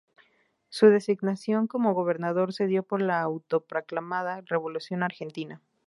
Su designación como gobernador se dio por la autoproclamada Revolución Argentina.